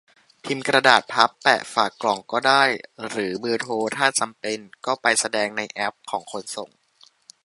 พิมพ์กระดาษพับแปะฝากล่องก็ได้ หรือเบอร์โทร ถ้าจำเป็น ? ! ก็ไปแสดงในแอปของคนส่ง